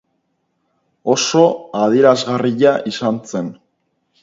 Oso adierazgarria izan zen.